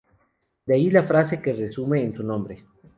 De ahí la frase que resume en su nombre.